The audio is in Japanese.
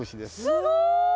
すごい！